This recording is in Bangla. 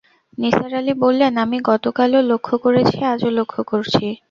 নিসার আলি বললেন, আমি গত কালও লক্ষ করেছি, আজও লক্ষ করছি।